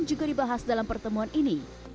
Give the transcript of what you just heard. juga dibahas dalam pertemuan ini